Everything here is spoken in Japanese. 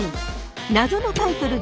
謎のタイトルん？